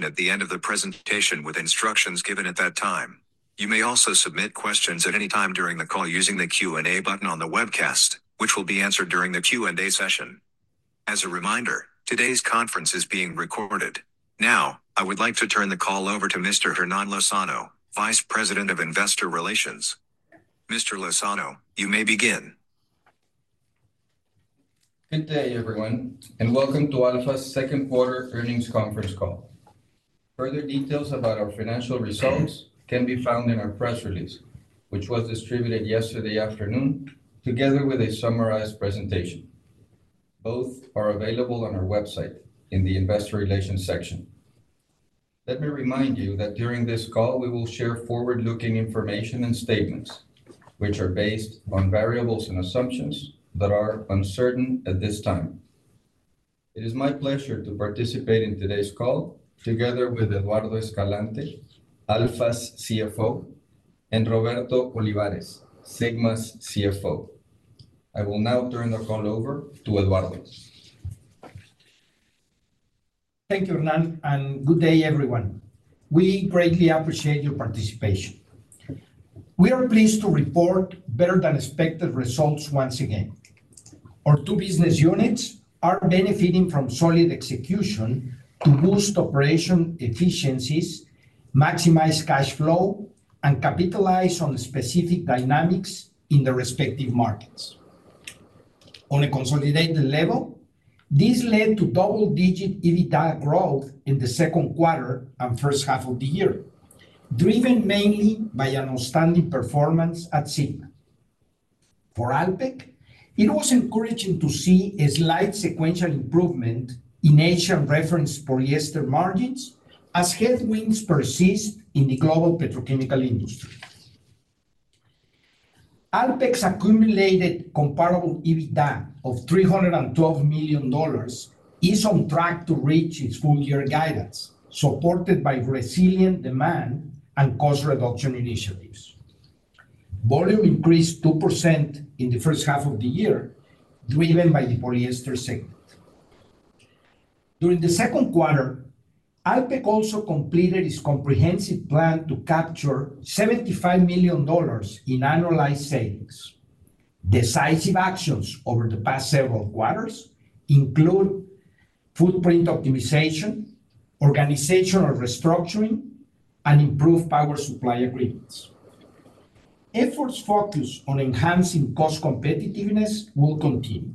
at the end of the presentation with instructions given at that time. You may also submit questions at any time during the call using the Q&A button on the webcast, which will be answered during the Q&A session. As a reminder, today's conference is being recorded. Now, I would like to turn the call over to Mr. Hernán Lozano, Vice President of Investor Relations. Mr. Lozano, you may begin. Good day, everyone, and welcome to Alfa's Second Quarter Earnings Conference Call. Further details about our financial results can be found in our press release, which was distributed yesterday afternoon, together with a summarized presentation. Both are available on our website in the Investor Relations section. Let me remind you that during this call, we will share forward-looking information and statements, which are based on variables and assumptions that are uncertain at this time. It is my pleasure to participate in today's call together with Eduardo Escalante, Alfa's CFO, and Roberto Olivares, Sigma's CFO. I will now turn the call over to Eduardo. Thank you, Hernán, and good day, everyone. We greatly appreciate your participation. We are pleased to report better-than-expected results once again. Our two business units are benefiting from solid execution to boost operation efficiencies, maximize cash flow, and capitalize on specific dynamics in the respective markets. On a consolidated level, this led to double-digit EBITDA growth in the second quarter and first half of the year, driven mainly by an outstanding performance at Sigma. For Alpek, it was encouraging to see a slight sequential improvement in Asian reference polyester margins as headwinds persist in the global petrochemical industry. Alpek's accumulated comparable EBITDA of $312 million is on track to reach its full-year guidance, supported by resilient demand and cost reduction initiatives. Volume increased 2% in the first half of the year, driven by the polyester segment. During the second quarter, Alpek also completed its comprehensive plan to capture $75 million in annualized savings. Decisive actions over the past several quarters include footprint optimization, organizational restructuring, and improved power supply agreements. Efforts focused on enhancing cost competitiveness will continue.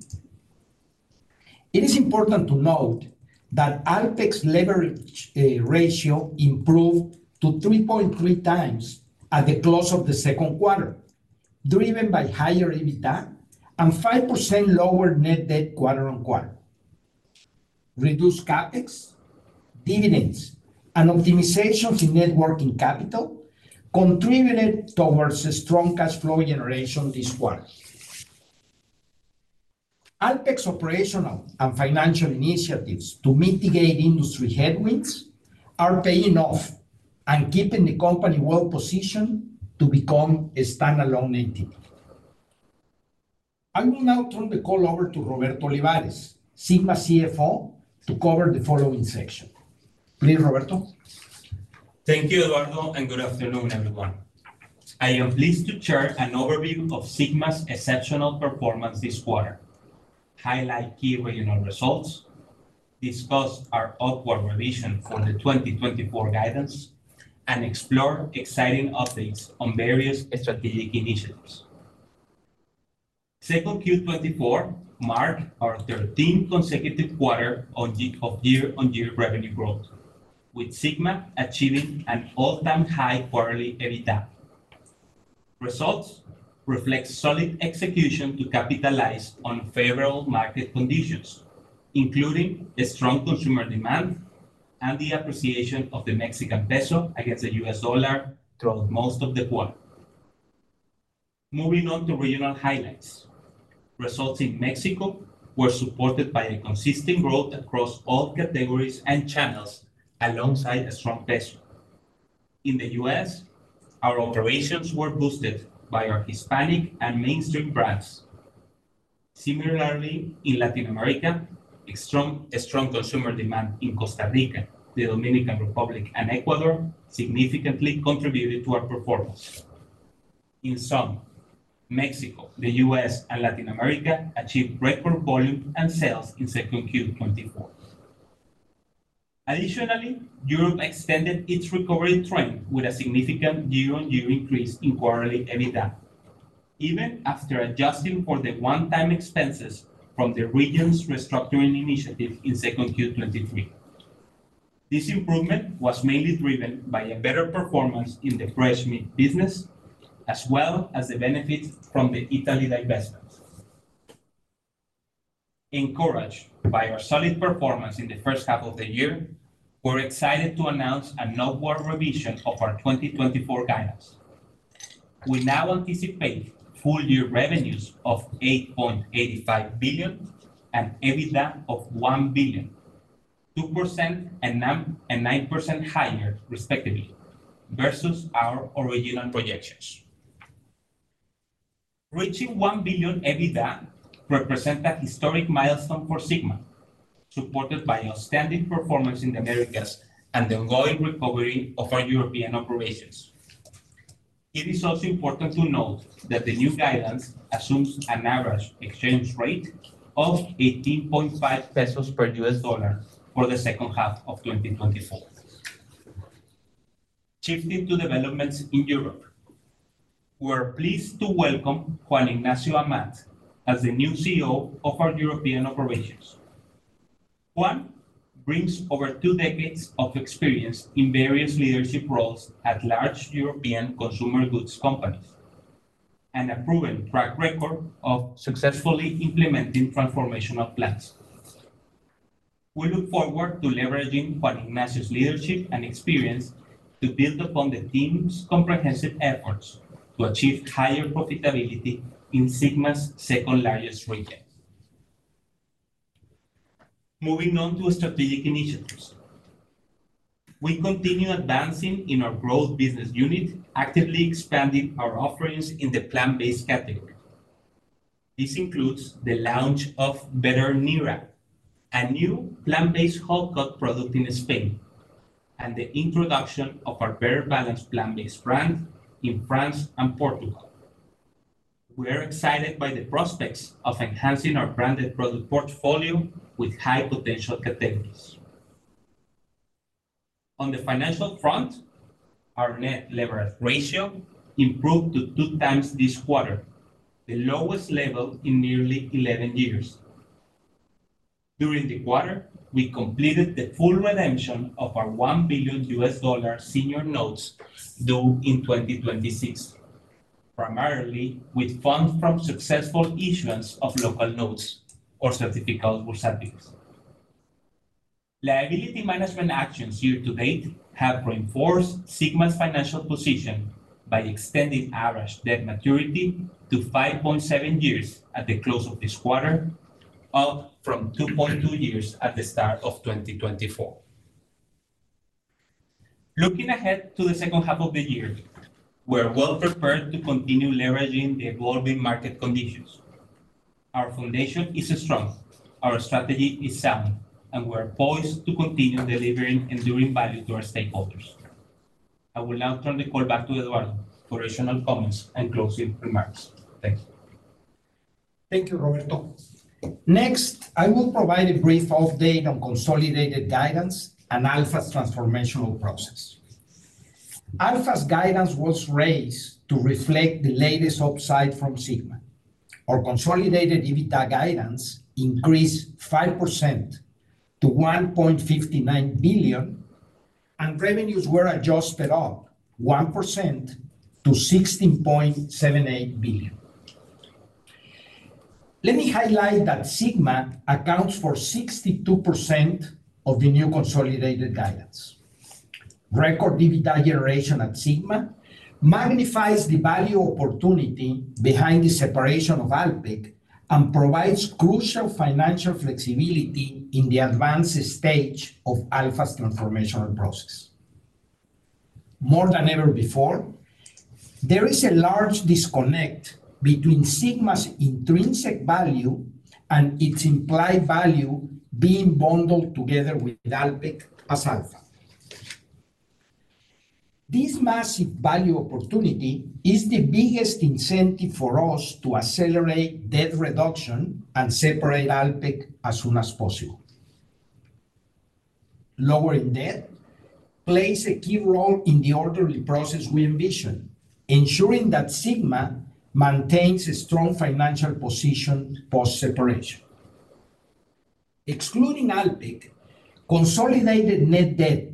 It is important to note that Alpek's leverage ratio improved to 3.3x at the close of the second quarter, driven by higher EBITDA and 5% lower net debt quarter-on-quarter. Reduced CapEx, dividends, and optimizations in net working capital contributed towards a strong cash flow generation this quarter. Alpek's operational and financial initiatives to mitigate industry headwinds are paying off and keeping the company well-positioned to become a standalone entity. I will now turn the call over to Roberto Olivares, Sigma CFO, to cover the following section. Please, Roberto. Thank you, Eduardo, and good afternoon, everyone. I am pleased to share an overview of Sigma's exceptional performance this quarter, highlight key regional results, discuss our upward revision for the 2024 guidance, and explore exciting updates on various strategic initiatives. Second Q 2024 marked our 13th consecutive quarter of year-on-year revenue growth, with Sigma achieving an all-time high quarterly EBITDA. Results reflect solid execution to capitalize on favorable market conditions, including the strong consumer demand and the appreciation of the Mexican peso against the U.S. dollar throughout most of the quarter. Moving on to regional highlights. Results in Mexico were supported by a consistent growth across all categories and channels, alongside a strong peso. In the U.S., our operations were boosted by our Hispanic and mainstream brands. Similarly, in Latin America, a strong consumer demand in Costa Rica, the Dominican Republic, and Ecuador significantly contributed to our performance. In sum, Mexico, the US, and Latin America achieved record volume and sales in second Q 2024. Additionally, Europe extended its recovery trend with a significant year-on-year increase in quarterly EBITDA, even after adjusting for the one-time expenses from the region's restructuring initiative in second Q 2023. This improvement was mainly driven by a better performance in the fresh meat business, as well as the benefit from the Italy divestment. Encouraged by our solid performance in the first half of the year, we're excited to announce an upward revision of our 2024 guidance. We now anticipate full-year revenues of $8.85 billion and EBITDA of $1 billion, 2% and 9% higher respectively versus our original projections.... Reaching 1 billion EBITDA represents a historic milestone for Sigma, supported by outstanding performance in the Americas and the ongoing recovery of our European operations. It is also important to note that the new guidance assumes an average exchange rate of 18.5 pesos per $ for the second half of 2024. Shifting to developments in Europe, we're pleased to welcome Juan Ignacio Amat as the new CEO of our European operations. Juan brings over two decades of experience in various leadership roles at large European consumer goods companies, and a proven track record of successfully implementing transformational plans. We look forward to leveraging Juan Ignacio's leadership and experience to build upon the team's comprehensive efforts to achieve higher profitability in Sigma's second largest region. Moving on to strategic initiatives. We continue advancing in our growth business unit, actively expanding our offerings in the plant-based category. This includes the launch of Betternera, a new plant-based whole cut product in Spain, and the introduction of our Better Balance plant-based brand in France and Portugal. We are excited by the prospects of enhancing our branded product portfolio with high-potential categories. On the financial front, our net leverage ratio improved to 2x this quarter, the lowest level in nearly 11 years. During the quarter, we completed the full redemption of our $1 billion senior notes due in 2026, primarily with funds from successful issuance of local notes or certificates or certs. Liability management actions year to date have reinforced Sigma's financial position by extending average debt maturity to 5.7 years at the close of this quarter, up from 2.2 years at the start of 2024. Looking ahead to the second half of the year, we're well-prepared to continue leveraging the evolving market conditions. Our foundation is strong, our strategy is sound, and we're poised to continue delivering enduring value to our stakeholders. I will now turn the call back to Eduardo for additional comments and closing remarks. Thank you. Thank you, Roberto. Next, I will provide a brief update on consolidated guidance and ALFA's transformational process. ALFA's guidance was raised to reflect the latest upside from Sigma. Our consolidated EBITDA guidance increased 5% to 1.59 billion, and revenues were adjusted up 1% to 16.78 billion. Let me highlight that Sigma accounts for 62% of the new consolidated guidance. Record EBITDA generation at Sigma magnifies the value opportunity behind the separation of Alpek and provides crucial financial flexibility in the advanced stage of ALFA's transformational process. More than ever before, there is a large disconnect between Sigma's intrinsic value and its implied value being bundled together with Alpek as ALFA. This massive value opportunity is the biggest incentive for us to accelerate debt reduction and separate Alpek as soon as possible. Lowering debt plays a key role in the orderly process we envision, ensuring that Sigma maintains a strong financial position post-separation. Excluding Alpek, consolidated net debt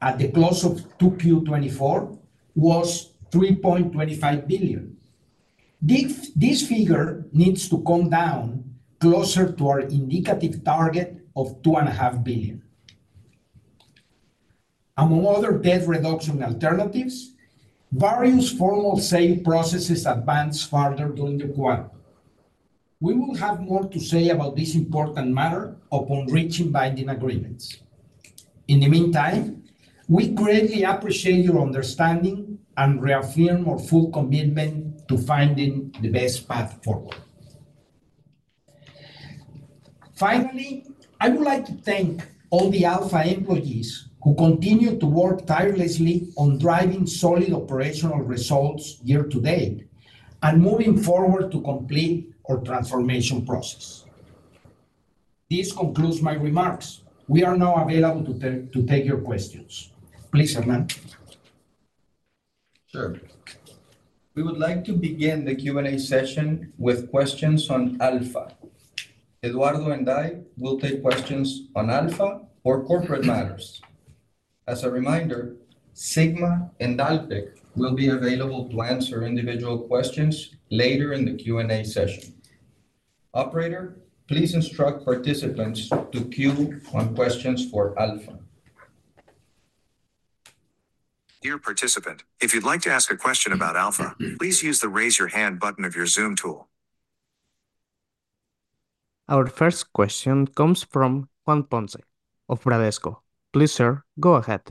at the close of 2Q 2024 was $3.25 billion. This figure needs to come down closer to our indicative target of $2.5 billion. Among other debt reduction alternatives, various formal sale processes advanced further during the quarter. We will have more to say about this important matter upon reaching binding agreements. In the meantime, we greatly appreciate your understanding and reaffirm our full commitment to finding the best path forward. Finally, I would like to thank all the ALFA employees who continue to work tirelessly on driving solid operational results year to date, and moving forward to complete our transformation process. This concludes my remarks. We are now available to take your questions. Please, Hernán. Sure. We would like to begin the Q&A session with questions on ALFA. Eduardo and I will take questions on ALFA or corporate matters. As a reminder, Sigma and Alpek will be available to answer individual questions later in the Q&A session. Operator, please instruct participants to queue on questions for ALFA. Dear participant, if you'd like to ask a question about ALFA, please use the Raise Your Hand button of your Zoom tool.... Our first question comes from Juan Ponce of Bradesco. Please, sir, go ahead.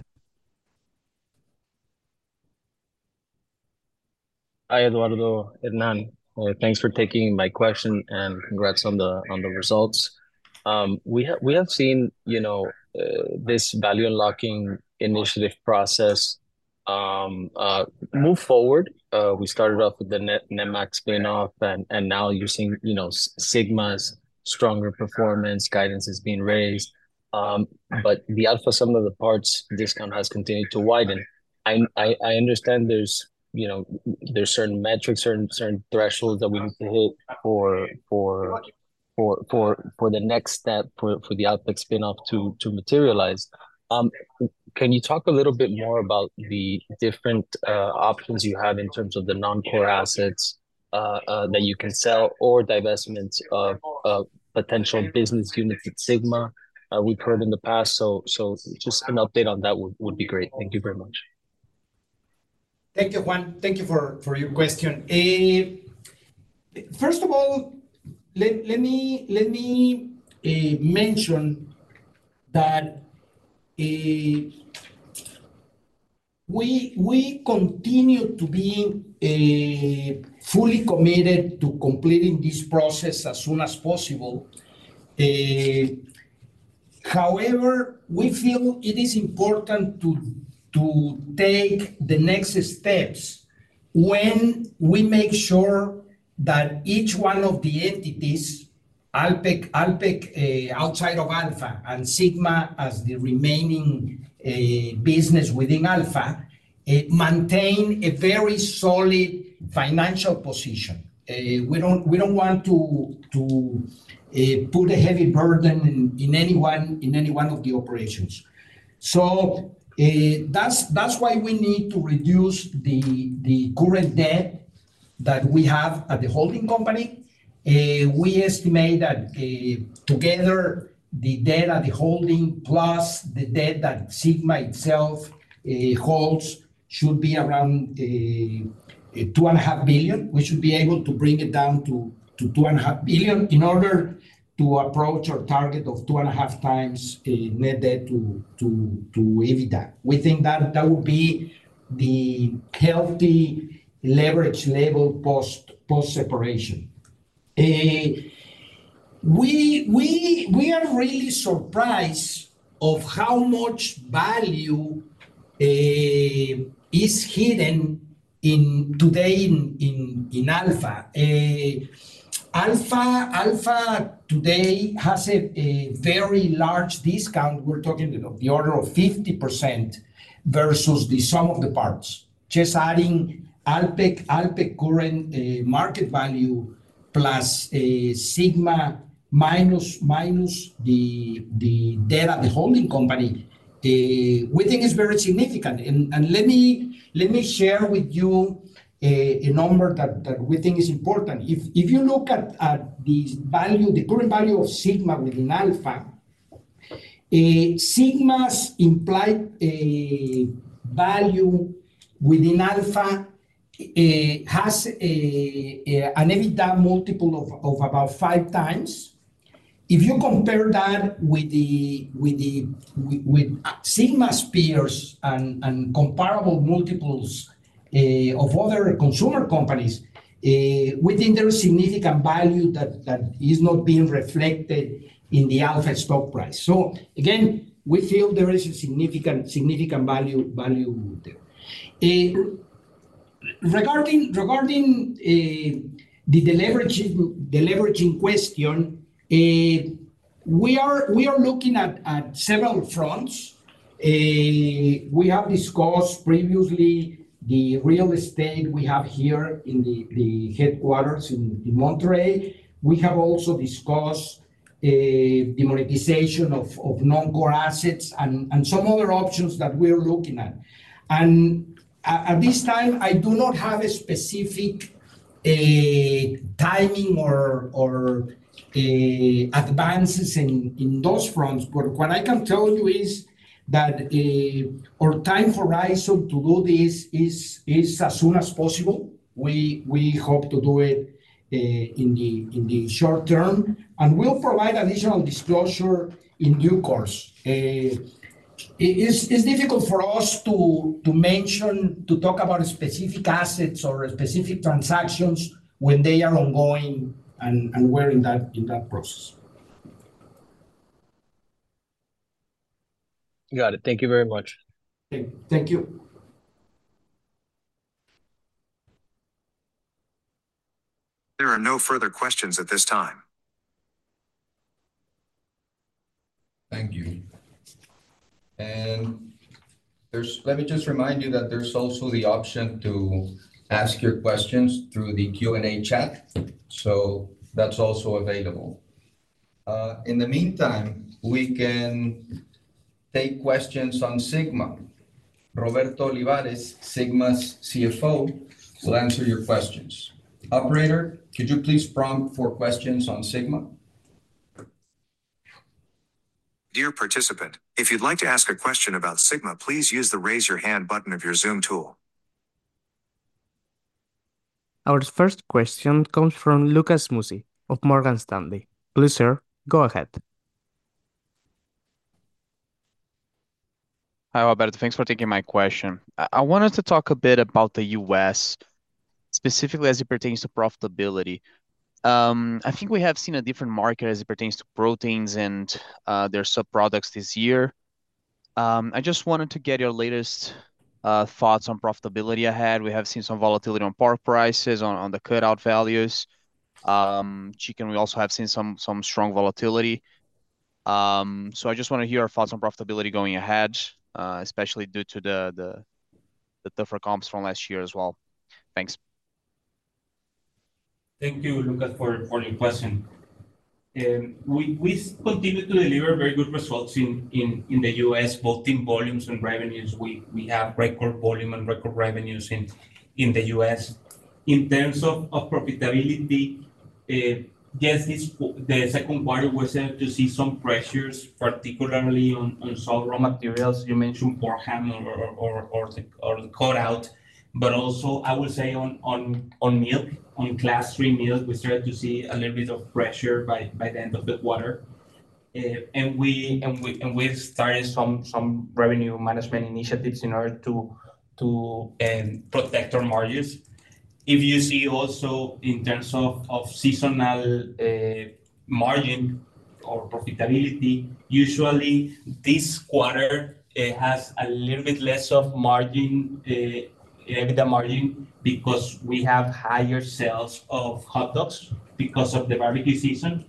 Hi, Eduardo, Hernán. Thanks for taking my question, and congrats on the results. We have seen, you know, this value unlocking initiative process move forward. We started off with the Nemak spin-off, and now you're seeing, you know, Sigma's stronger performance, guidance is being raised. But the ALFA sum-of-the-parts discount has continued to widen. I understand there's, you know, certain metrics, certain thresholds that we need to hit for the next step, for the ALFA spin-off to materialize. Can you talk a little bit more about the different options you have in terms of the non-core assets that you can sell or divestments of potential business units at Sigma? We've heard in the past, so just an update on that would be great. Thank you very much. Thank you, Juan. Thank you for your question. First of all, let me mention that we continue to be fully committed to completing this process as soon as possible. However, we feel it is important to take the next steps when we make sure that each one of the entities, Alpek, outside of Alfa and Sigma as the remaining business within Alfa, maintain a very solid financial position. We don't want to put a heavy burden in any one of the operations. So, that's why we need to reduce the current debt that we have at the holding company. We estimate that, together, the debt at the holding plus the debt that Sigma itself holds should be around $2.5 billion. We should be able to bring it down to $2.5 billion in order to approach our target of 2.5x net debt to EBITDA. We think that that would be the healthy leverage level post-separation. We are really surprised of how much value is hidden today in ALFA. ALFA today has a very large discount. We're talking the order of 50% versus the sum of the parts, just adding Alpek current market value, plus Sigma minus the debt at the holding company. We think it's very significant, and let me share with you a number that we think is important. If you look at the value, the current value of Sigma within ALFA, Sigma's implied value within ALFA has an EBITDA multiple of about 5x. If you compare that with Sigma's peers and comparable multiples of other consumer companies, we think there is significant value that is not being reflected in the ALFA stock price. So again, we feel there is a significant value there. Regarding the deleveraging question, we are looking at several fronts. We have discussed previously the real estate we have here in the headquarters in Monterrey. We have also discussed the monetization of non-core assets and some other options that we're looking at. At this time, I do not have a specific timing or advances in those fronts, but what I can tell you is that our time horizon to do this is as soon as possible. We hope to do it in the short term, and we'll provide additional disclosure in due course. It is difficult for us to mention to talk about specific assets or specific transactions when they are ongoing and we're in that process. Got it. Thank you very much. Thank you. There are no further questions at this time. Thank you. And there's... Let me just remind you that there's also the option to ask your questions through the Q&A chat, so that's also available. In the meantime, we can take questions on Sigma. Roberto Olivares, Sigma's CFO, will answer your questions. Operator, could you please prompt for questions on Sigma? Dear participant, if you'd like to ask a question about Sigma, please use the Raise Your Hand button of your Zoom tool. ... Our first question comes from Lucas Mussi of Morgan Stanley. Please, sir, go ahead. Hi, Roberto. Thanks for taking my question. I wanted to talk a bit about the U.S., specifically as it pertains to profitability. I think we have seen a different market as it pertains to proteins and their subproducts this year. I just wanted to get your latest thoughts on profitability ahead. We have seen some volatility on pork prices, on the cutout values. Chicken, we also have seen some strong volatility. So I just wanna hear your thoughts on profitability going ahead, especially due to the tougher comps from last year as well. Thanks. Thank you, Lucas, for your question. We continue to deliver very good results in the US, both in volumes and revenues. We have record volume and record revenues in the US. In terms of profitability, yes, this quarter, the second quarter we started to see some pressures, particularly on some raw materials. You mentioned pork ham or the cutout, but also I would say on milk, on Class III milk, we started to see a little bit of pressure by the end of the quarter. And we've started some revenue management initiatives in order to protect our margins. If you see also in terms of seasonal margin or profitability, usually this quarter, it has a little bit less of margin, EBITDA margin, because we have higher sales of hot dogs because of the barbecue season.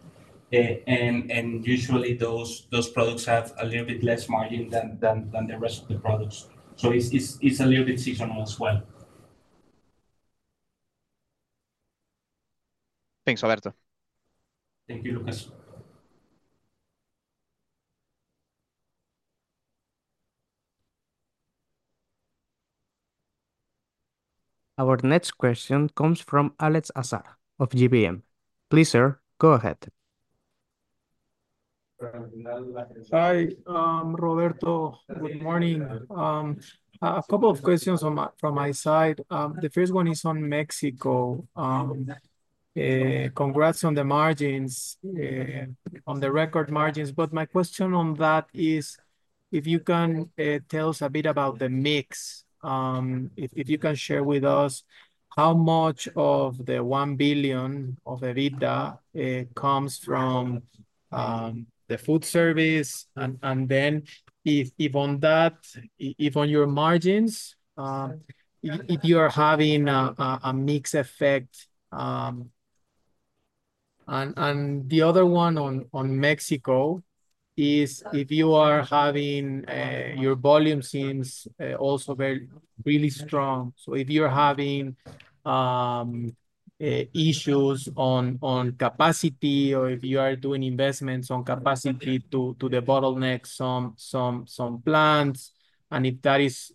And usually those products have a little bit less margin than the rest of the products. So it's a little bit seasonal as well. Thanks, Roberto. Thank you, Lucas. Our next question comes from Alex Azar of GBM. Please, sir, go ahead. Hi, Roberto. Good morning. A couple of questions from my side. The first one is on Mexico. Congrats on the margins on the record margins, but my question on that is if you can tell us a bit about the mix. If you can share with us how much of the 1 billion of EBITDA comes from the food service, and then if on that, if on your margins, if you are having a mix effect... And the other one on Mexico is if you are having, your volume seems, also very really strong, so if you're having, issues on capacity, or if you are doing investments on capacity to the bottlenecks, some plans, and if that is,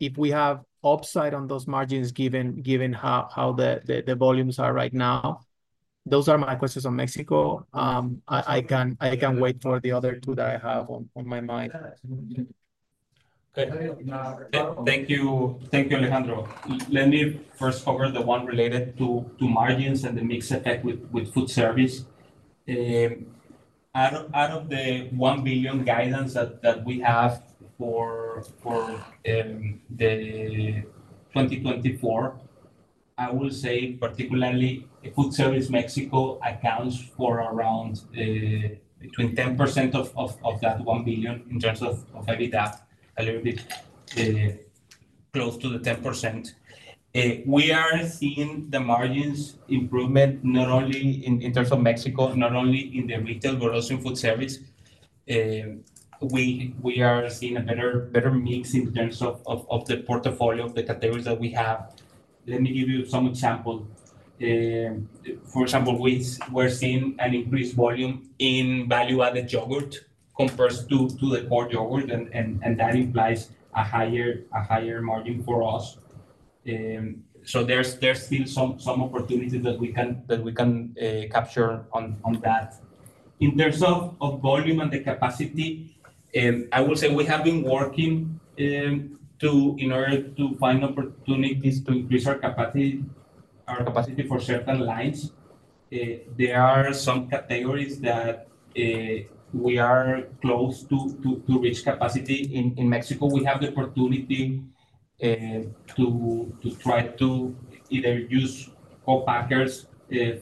if we have upside on those margins, given how the volumes are right now. Those are my questions on Mexico. I can wait for the other two that I have on my mind. Okay. Thank you. Thank you, Alejandro. Let me first cover the one related to margins and the mix effect with food service. Out of the 1 billion guidance that we have for 2024, I will say particularly food service Mexico accounts for around between 10% of that 1 billion, in terms of EBITDA, a little bit close to the 10%. We are seeing the margins improvement not only in terms of Mexico, not only in the retail, but also in food service. We are seeing a better mix in terms of the portfolio of the categories that we have. Let me give you some example. For example, we're seeing an increased volume in value-added yogurt compared to the core yogurt, and that implies a higher margin for us. So there's still some opportunities that we can capture on that. In terms of volume and the capacity, I will say we have been working in order to find opportunities to increase our capacity for certain lines. There are some categories that we are close to reach capacity in Mexico. We have the opportunity to try to either use co-packers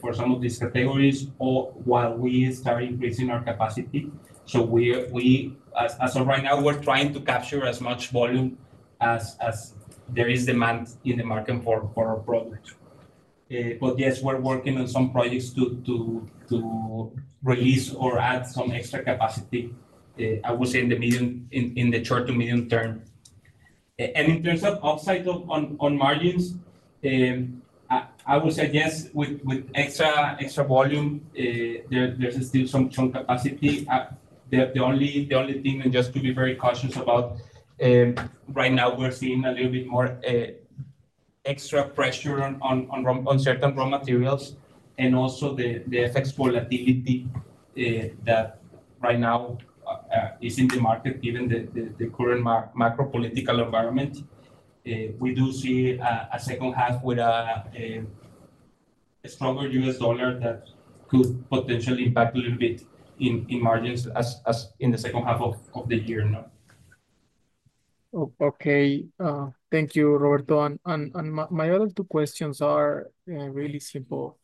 for some of these categories or while we start increasing our capacity. So we, as of right now, we're trying to capture as much volume as there is demand in the market for our products. But yes, we're working on some projects to release or add some extra capacity. I would say in the short to medium term. And in terms of upside on margins, I would say yes, with extra volume, there's still some chunk capacity. The only thing, and just to be very cautious about, right now we're seeing a little bit more extra pressure on certain raw materials and also the effects volatility, that right now... is in the market, given the current macro political environment, we do see a stronger US dollar that could potentially impact a little bit in margins as in the second half of the year now. Okay. Thank you, Roberto. And my other two questions are really simple.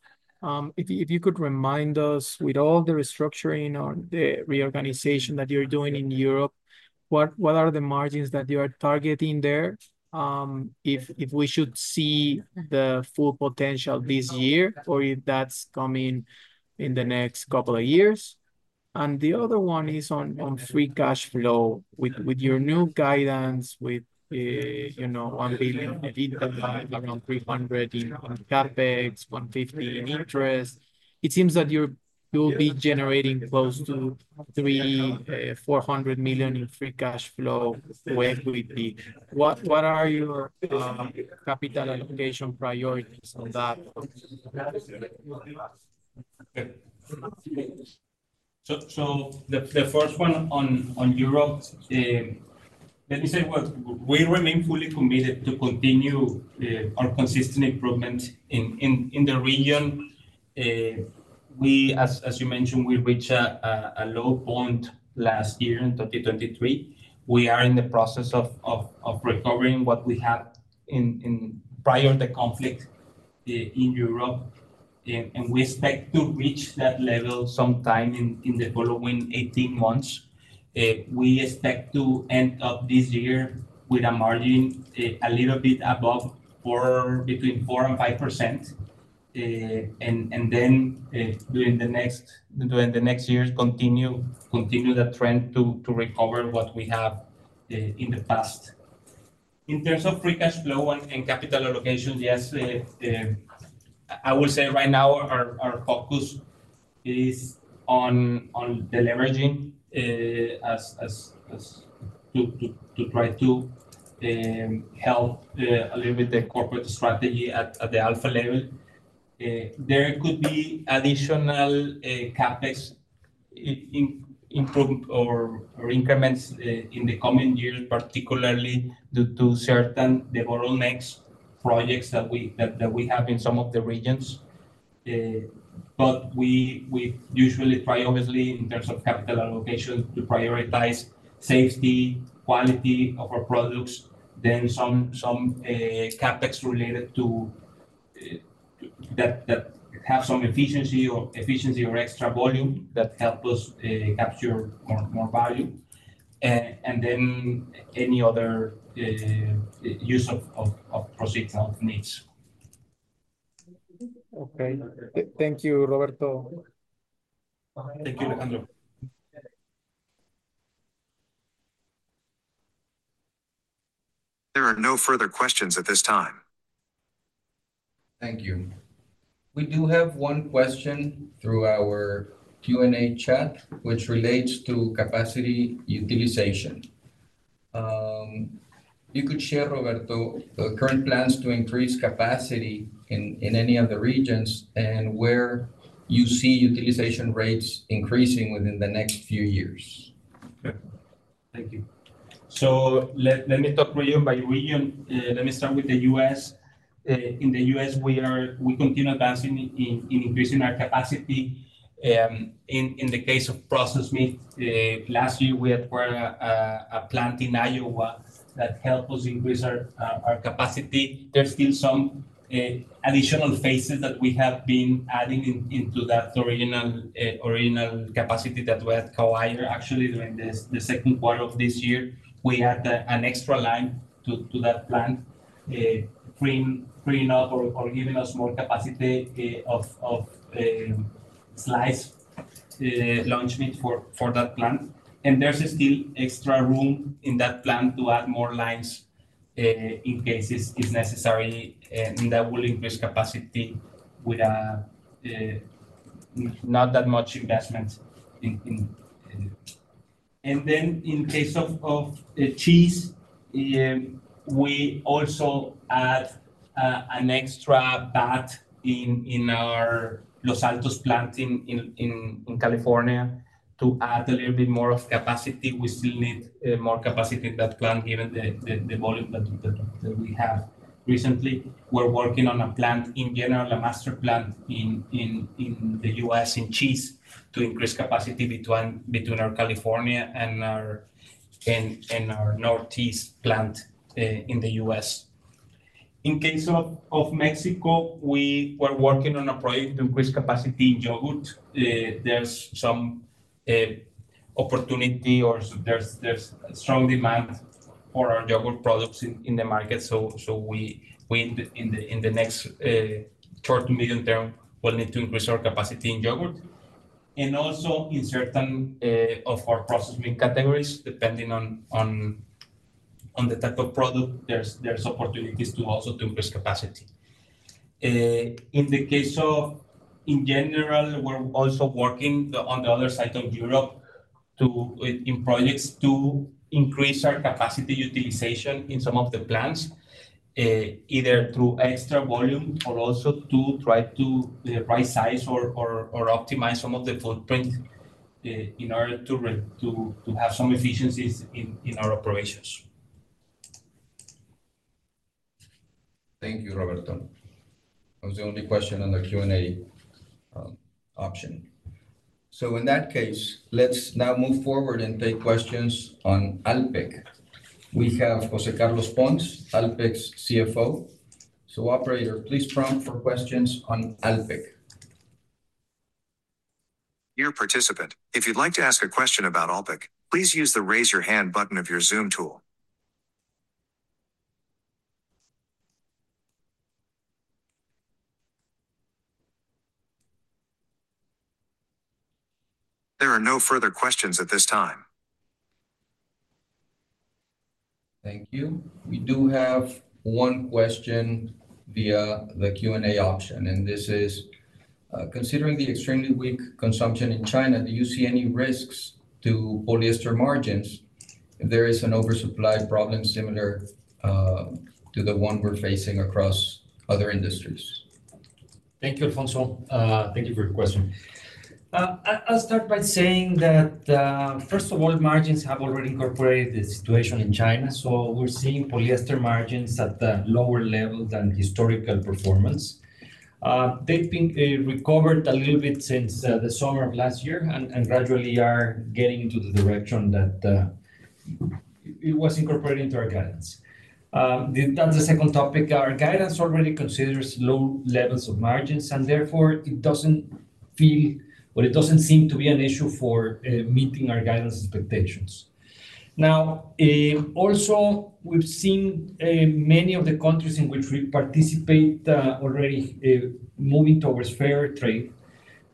If you could remind us with all the restructuring or the reorganization that you're doing in Europe, what are the margins that you are targeting there? If we should see the full potential this year or if that's coming in the next couple of years. And the other one is on free cash flow. With your new guidance, with you know, 1 billion EBITDA, around 300 million in CapEx, 150 million in interest, it seems that you'll be generating close to 300 million-400 million in free cash flow with EBITDA. What are your capital allocation priorities on that? So the first one on Europe, we remain fully committed to continue our consistent improvement in the region. As you mentioned, we reached a low point last year in 2023. We are in the process of recovering what we had prior to the conflict in Europe, and we expect to reach that level sometime in the following 18 months. We expect to end up this year with a margin a little bit above 4, between 4% and 5%, and then during the next years continue the trend to recover what we have in the past. In terms of free cash flow and capital allocation, yes, I would say right now our focus is on deleveraging, as to try to help a little bit the corporate strategy at the Alfa level. There could be additional CapEx in improvements or increments in the coming years, particularly due to certain bottleneck projects that we have in some of the regions. But we usually try, obviously, in terms of capital allocation, to prioritize safety, quality of our products, then some CapEx related to that have some efficiency or extra volume that help us capture more value, and then any other use or needs. Okay. Thank you, Roberto. Thank you, Alejandro. There are no further questions at this time. Thank you. We do have one question through our Q&A chat, which relates to capacity utilization. You could share, Roberto, the current plans to increase capacity in any of the regions and where you see utilization rates increasing within the next few years. Okay. Thank you. So let me talk region by region. Let me start with the US. In the US, we continue advancing in increasing our capacity. In the case of processed meat, last year, we acquired a plant in Iowa that helped us increase our capacity. There's still some additional phases that we have been adding into that original capacity that we had acquired. Actually, during the second quarter of this year, we added an extra line to that plant, cleaning up or giving us more capacity of sliced lunch meat for that plant. There's still extra room in that plant to add more lines, in case it's necessary, and that will increase capacity with not that much investment. And then in case of cheese, we also add an extra vat in our Los Altos plant in California to add a little bit more of capacity. We still need more capacity in that plant, given the volume that we have recently. We're working on a plan in general, a master plan in the U.S., in cheese, to increase capacity between our California and our Northeast plant in the U.S. In case of Mexico, we were working on a project to increase capacity in yogurt. There's some opportunity or there's strong demand for our yogurt products in the market, so we in the next short, medium term, will need to increase our capacity in yogurt. And also in certain of our processing categories, depending on the type of product, there's opportunities to also increase capacity. In general, we're also working on the other side of Europe in projects to increase our capacity utilization in some of the plants, either through extra volume or also to try to rightsize or optimize some of the footprint, in order to have some efficiencies in our operations. Thank you, Roberto. That was the only question on the Q&A option. So in that case, let's now move forward and take questions on Alpek. We have José Carlos Pons, Alpek's CFO. So operator, please prompt for questions on Alpek. Dear participant, if you'd like to ask a question about Alpek, please use the Raise Your Hand button of your Zoom tool. There are no further questions at this time. Thank you. We do have one question via the Q&A option, and this is: Considering the extremely weak consumption in China, do you see any risks to polyester margins if there is an oversupply problem similar to the one we're facing across other industries? Thank you, Alfonso. Thank you for your question. I'll start by saying that, first of all, margins have already incorporated the situation in China, so we're seeing polyester margins at a lower level than historical performance. They've been recovered a little bit since the summer of last year and gradually are getting into the direction that it was incorporated into our guidance. Then the second topic, our guidance already considers low levels of margins, and therefore, it doesn't feel... or it doesn't seem to be an issue for meeting our guidance expectations. Now, also, we've seen many of the countries in which we participate already moving towards fair trade.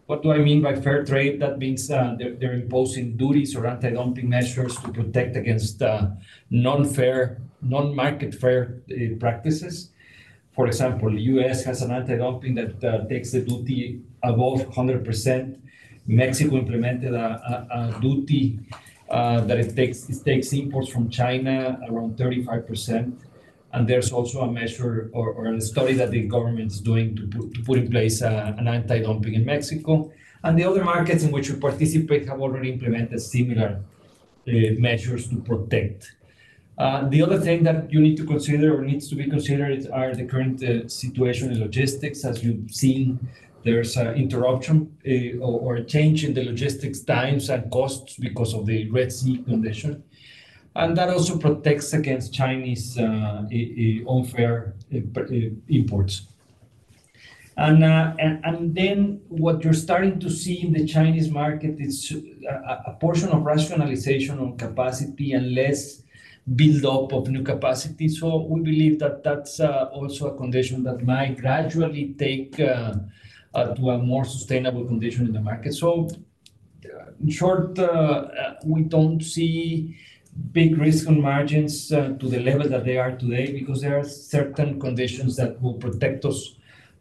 What do I mean by fair trade? That means they're imposing duties or anti-dumping measures to protect against non-fair, non-market fair practices. For example, the U.S. has an anti-dumping that takes the duty above 100%. Mexico implemented a duty that takes imports from China around 35%, and there's also a measure or a study that the government's doing to put in place an anti-dumping in Mexico. The other markets in which we participate have already implemented similar measures to protect. The other thing that you need to consider or needs to be considered are the current situation in logistics. As you've seen, there's an interruption or a change in the logistics times and costs because of the Red Sea condition, and that also protects against Chinese unfair imports. And then what you're starting to see in the Chinese market is a portion of rationalization on capacity and less build-up of new capacity. So we believe that that's also a condition that might gradually take to a more sustainable condition in the market. So, in short, we don't see big risk on margins to the level that they are today because there are certain conditions that will protect us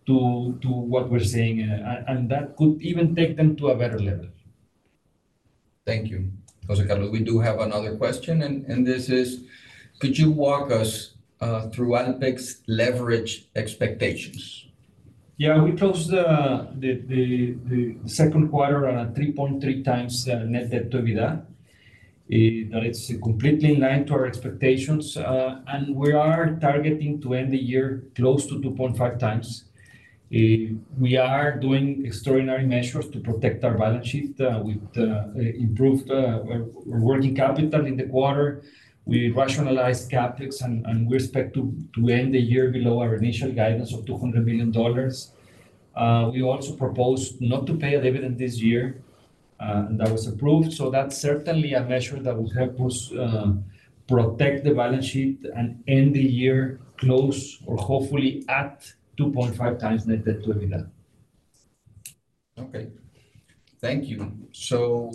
to what we're seeing, and that could even take them to a better level. Thank you, José Carlos. We do have another question, and this is: Could you walk us through Alpek's leverage expectations? Yeah, we closed the second quarter on a 3.3x net debt to EBITDA. That's completely in line to our expectations, and we are targeting to end the year close to 2.5x. We are doing extraordinary measures to protect our balance sheet. We've improved our working capital in the quarter. We rationalized CapEx and we expect to end the year below our initial guidance of $200 million. We also proposed not to pay a dividend this year, and that was approved, so that's certainly a measure that will help us protect the balance sheet and end the year close or hopefully at 2.5x net debt to EBITDA. Okay. Thank you. So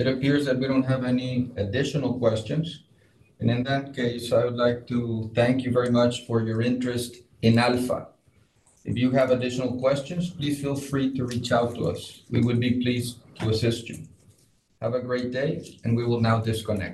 it appears that we don't have any additional questions, and in that case, I would like to thank you very much for your interest in ALFA. If you have additional questions, please feel free to reach out to us. We would be pleased to assist you. Have a great day, and we will now disconnect.